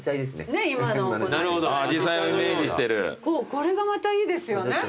これがまたいいですよね。